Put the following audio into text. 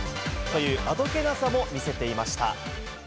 という、あどけなさも見せていました。